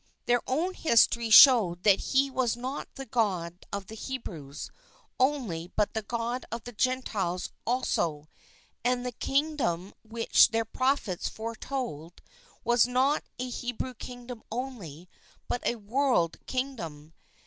Their own history showed that He was not the God of the Hebrews only but the God of the Gentiles also ; and the King dom which their prophets foretold was not a Hebrew Kingdom only but a world Kingdom.